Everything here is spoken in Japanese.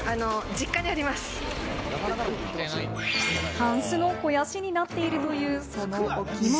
タンスの肥やしになっているという、そのお着物。